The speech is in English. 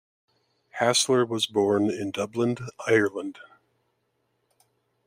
Hasler was born in Dublin, Ireland.